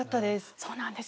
そうなんです。